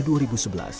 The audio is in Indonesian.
dibantu istrinya pania